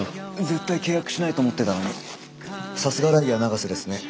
絶対契約しないと思ってたのにさすがライアー永瀬ですね。